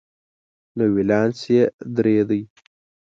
نو ولانس یې درې دی.